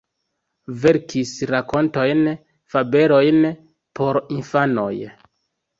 Verkis rakontojn, fabelojn por infanoj.